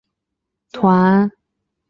团结一致才不会倒下